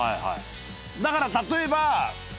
だから例えば。